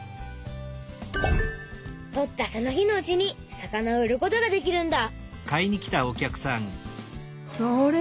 とったその日のうちに魚を売ることができるんだ。